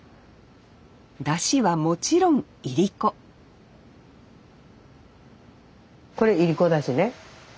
だしはもちろんいりここれいりこだしね。